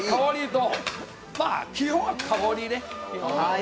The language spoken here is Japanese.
基本は香りね。